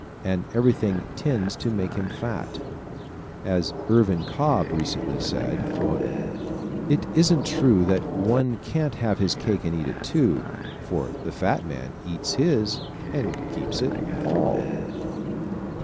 And everything tends to make him fat. As Irvin Cobb recently said: "It isn't true that one can't have his cake and eat it, too, for the fat man eats his and keeps it all."